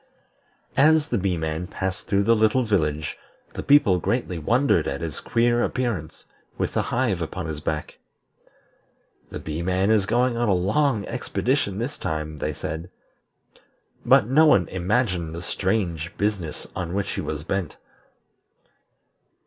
As the Bee man passed through the little village the people greatly wondered at his queer appearance, with the hive upon his back. "The Bee man is going on a long expedition this time," they said; but no one imagined the strange business on which he was bent.